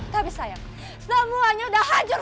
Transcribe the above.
tapi sayang semuanya udah hajur